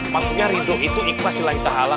maksudnya rido itu ikhlas silahitahallah